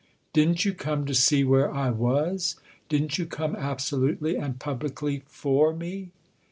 " Didn't you come to see where I was ? Didn't you come absolutely and publicly for me